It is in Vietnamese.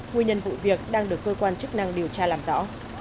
nguyên nhân vụ việc đang được cơ quan chức năng điều tra làm rõ